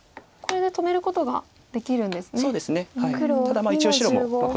これで止めることができるんですね。